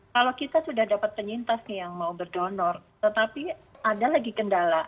kalau kita sudah dapat penyintas nih yang mau berdonor tetapi ada lagi kendala